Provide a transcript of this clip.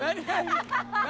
何？